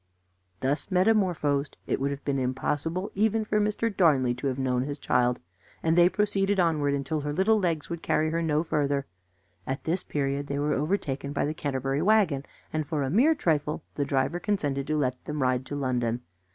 Thus metamorphosed, it would have been impossible even for Mr. Darnley to have known his child, and they proceeded onward until her little legs would carry her no farther. At this period they were overtaken by the Canterbury wagon, and for a mere trifle the driver consented to let them ride to London.